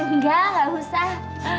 enggak gak usah